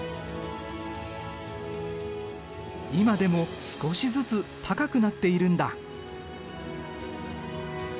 今でも少しずつ高くなっているんだ。